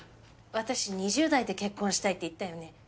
私２０代で結婚したいって言ったよね。